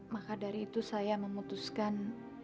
maka dari itu saya memutuskan